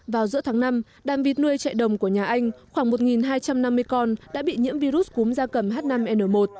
vào giữa tháng năm đàn vịt nuôi chạy đồng của nhà anh khoảng một hai trăm năm mươi con đã bị nhiễm virus cúm da cầm h năm n một